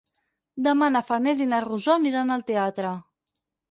Demà na Farners i na Rosó aniran al teatre.